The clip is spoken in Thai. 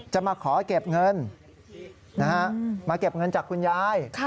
จะมาขอเก็บเงินมาเก็บเงินจากคุณยาย